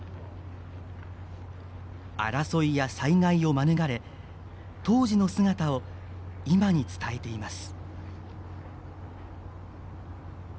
争いや災害を免れ当時の姿を今に伝えています。